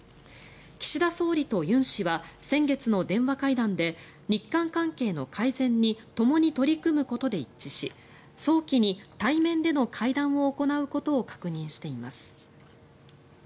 岸田総理と尹氏は先月の電話会談で日韓関係の改善にともに取り組むことで一致し早期に対面での会談を行うことを確認しています。